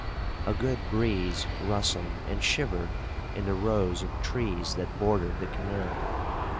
A good breeze rustled and shivered in the rows of trees that bordered the canal.